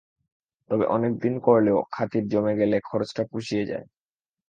তবে অনেকদিন করলে ও খাতির জমে গেলে খরচটা পুষিয়ে যায়।